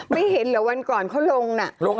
ไม่เห็นเหรอวันก่อนเขาลงน่ะ